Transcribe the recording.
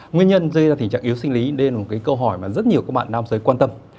nguyên nhân gây ra tình trạng yếu sinh lý là một câu hỏi rất nhiều các bạn nam giới quan tâm